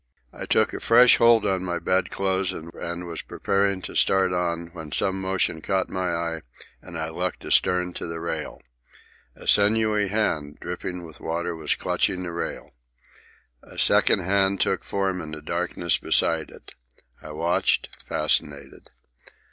I took a fresh hold on my bedclothes and was preparing to start on, when some movement caught my eye and I looked astern to the rail. A sinewy hand, dripping with water, was clutching the rail. A second hand took form in the darkness beside it. I watched, fascinated.